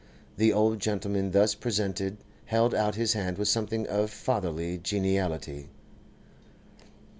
The old gentleman thus presented held out his hand with something of fatherly geniality.